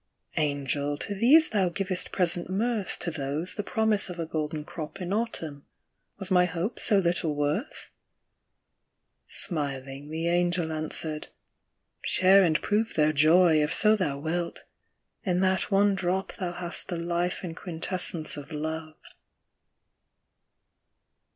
" Angel ! to these thou givest present mirth, To those, the promise of a golden crop In Autumn ; was my hope so little worth ?" Smiling, the Angel answered â " Share and prove Their joy, if so thou wilt â in that one drop Thou hast the life and ciuintessence of Love."